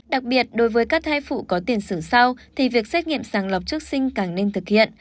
đặc biệt đối với các thai phụ có tiền sử sau thì việc xét nghiệm sàng lọc trước sinh càng nên thực hiện